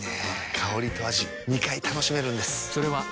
香りと味２回楽しめるんです。